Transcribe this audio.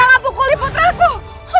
jangan pukul keluarga aku hentikan